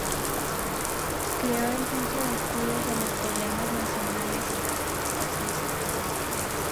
Creó el Centro de estudios de los problemas nacionales, y la revista Surco.